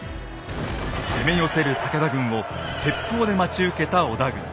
攻め寄せる武田軍を鉄砲で待ち受けた織田軍。